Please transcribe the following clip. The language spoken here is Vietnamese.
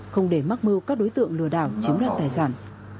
không để mắc mưu các đối tượng lừa đảo chiếm đoạt tài sản